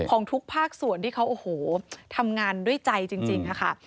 ของทุกภาคส่วนที่เขาโอ้โหทำงานด้วยใจจริงค่ะ